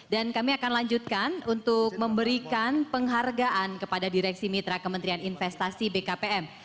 dan kami akan lanjutkan untuk memberikan penghargaan kepada direksi mitra kementerian investasi bkpm